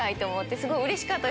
すごいうれしかった！